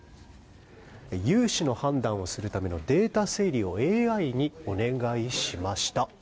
融資の判断をするためのデータ整理をＡＩにお願いしました。